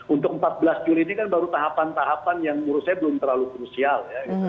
untuk empat belas juli ini kan baru tahapan tahapan yang menurut saya belum terlalu krusial ya